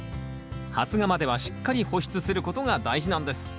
発芽まではしっかり保湿することが大事なんです。